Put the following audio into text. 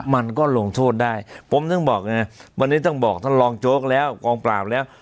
มันก็ลงโทษได้ผมถึงบอกไงวันนี้ต้องบอกท่านรองโจ๊กแล้วกองปราบแล้ว